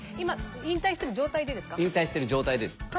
引退してる状態です。